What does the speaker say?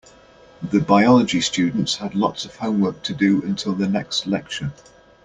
The biology students had lots of homework to do until the next lecture.